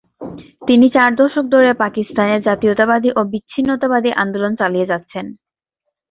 তিনি চার দশক ধরে পাকিস্তানে জাতীয়তাবাদী ও বিচ্ছিন্নতাবাদী আন্দোলন চালিয়ে যাচ্ছেন।